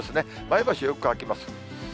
前橋よく乾きます。